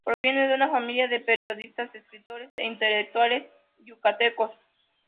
Proviene de una familia de periodistas, escritores e intelectuales yucatecos.